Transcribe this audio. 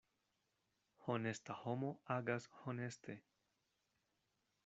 Honesta homo agas honeste.